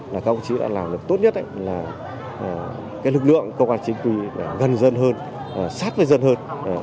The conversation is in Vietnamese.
các ông chỉ đã làm được tốt nhất là cái lực lượng công an chính quyền gần dân hơn sát với dân hơn